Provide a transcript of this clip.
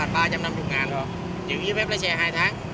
phạm ba trăm năm mươi đồng giữ giấy phép lấy xe hai tháng